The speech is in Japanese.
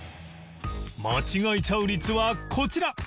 間違えちゃう率はこちら